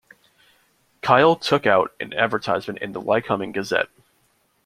Kyle took out an advertisement in the Lycoming Gazette.